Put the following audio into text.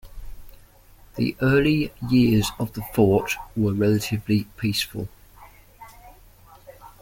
The early years of the fort were relatively peaceful.